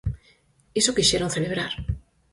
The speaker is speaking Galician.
Iso quixeron celebrar.